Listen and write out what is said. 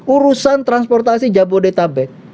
urusan transportasi jabodetabek